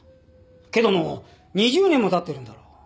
けどもう２０年も経ってるんだろう？